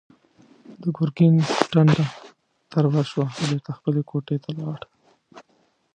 د ګرګين ټنډه تروه شوه، بېرته خپلې کوټې ته لاړ.